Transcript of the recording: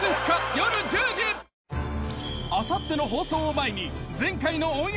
あさっての放送を前に。